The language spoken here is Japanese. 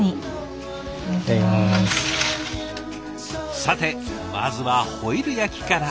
さてまずはホイル焼きから。